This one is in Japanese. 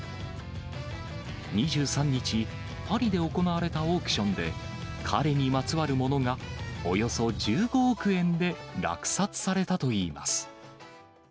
２３日、パリで行われたオークションで、彼にまつわるものがおよそ１５億円で落札されたといいます。